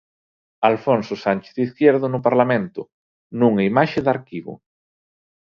Alfonso Sánchez Izquierdo no Parlamento, nunha imaxe de arquivo.